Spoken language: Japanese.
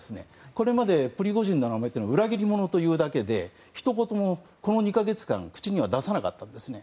これまでプリゴジンのことを裏切り者と言うだけでひと言も、この２か月間口には出さなかったんですね。